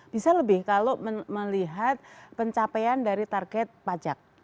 bisa lebih kalau melihat pencapaian dari target pajak